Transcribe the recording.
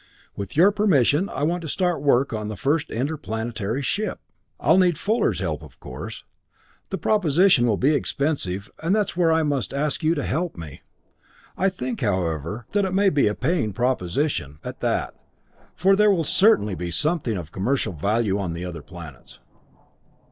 With your permission, I want to start work on the first interplanetary ship. I'll need Fuller's help, of course. The proposition will be expensive, and that's where I must ask you to help me. I think, however, that it may be a paying proposition, at that, for there will certainly be something of commercial value on the other planets."